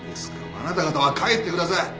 あなた方は帰ってください！